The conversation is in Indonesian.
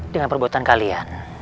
dengan perbuatan kalian